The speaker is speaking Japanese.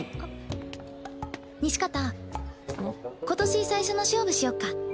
今年最初の勝負しよっか。